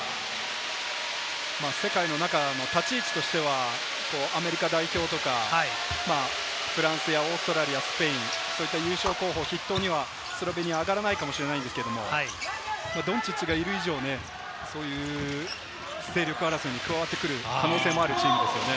世界の中の立ち位置としてはアメリカ代表とか、フランスやオーストラリア、スペイン、そういった優勝候補がいるので、ドンチッチがいる以上、そういう勢力争いに加わってくる可能性がありますよね。